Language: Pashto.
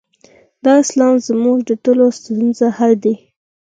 دا اسلام زموږ د ټولو ستونزو حل دی.